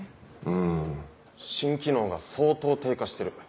うん心機能が相当低下してる。